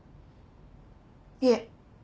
いえ。